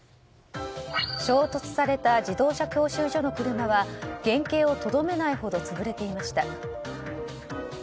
衝突された自動車教習所の車は原形をとどめないほど潰れていました。